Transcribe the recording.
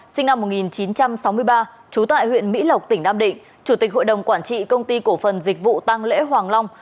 sinh năm một nghìn chín trăm sáu mươi ba trú tại huyện mỹ lộc tỉnh nam định chủ tịch hội đồng quản trị công ty cổ phần dịch vụ tăng lễ hoàng long